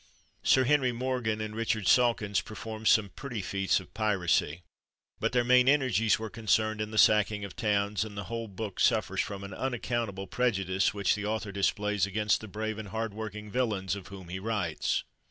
Sir Henry Morgan and Richard Sawkins performed some pretty feats of piracy, but their main energies were con cerned in the sacking of towns, and the whole book suffers from an unaccountable prejudice which the author displays against the brave and hard working villains of whom he writes.